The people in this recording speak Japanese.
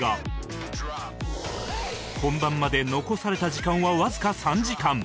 本番まで残された時間はわずか３時間